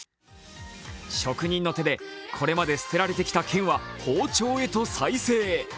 職人の手でこれまで捨てられてきた剣は包丁へと再生。